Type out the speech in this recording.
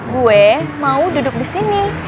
gue mau duduk disini